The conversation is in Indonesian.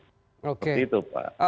seperti itu pak